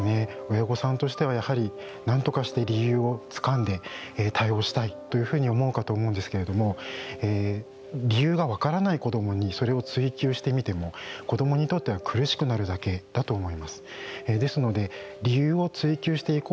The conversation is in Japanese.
親御さんとしてはやはりなんとかして理由をつかんで対応したいというふうに思うかと思うんですけれども理由がわからない子どもにそれを追及してみても子どもにとっては苦しくなるだけだと思います。